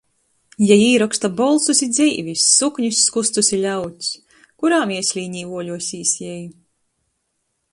Jei īroksta bolsus i dzeivis, suknis, skustus i ļauds. Kurā mieslīnī vuoļuosīs jei.